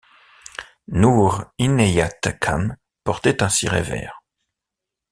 Noor Inayat Khan portait un ciré vert.